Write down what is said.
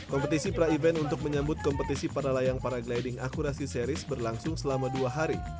kompetisi pra event untuk menyambut kompetisi para layang para gliding akurasi series berlangsung selama dua hari